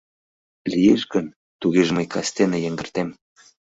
— Лиеш гын, тугеже мый кастене йыҥгыртем.